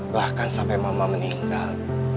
bahkan sampai mama meninggal